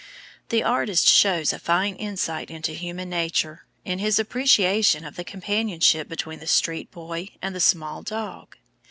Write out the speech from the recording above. The artist shows a fine insight into human nature in his appreciation of the companionship between the street boy and the small dog.